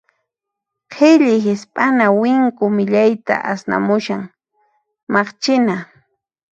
Qhilli hisp'ana winku millayta asnamushan, maqchina.